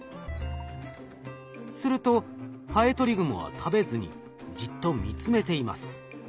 するとハエトリグモは食べずにじっと見つめています。